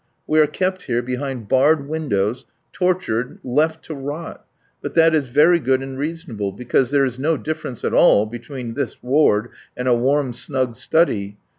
We are kept here behind barred windows, tortured, left to rot; but that is very good and reasonable, because there is no difference at all between this ward and a warm, snug study.